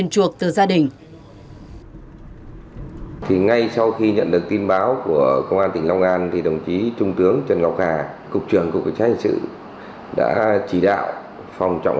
công an tỉnh long an để đòi tiền chuộc từ gia đình